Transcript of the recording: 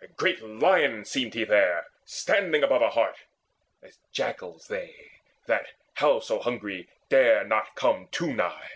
A great lion seemed he there Standing above a hart, as jackals they, That, howso hungry, dare not come too nigh.